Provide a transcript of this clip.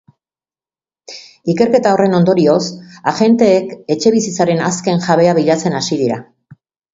Ikerketa horren ondorioz agenteek etxebizitzaren azken jabea bilatzen hasi dira.